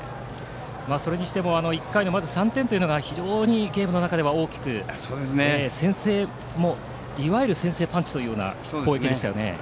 それにしても１回の３点がゲームの中では非常に大きくいわゆる先制パンチという攻撃でした。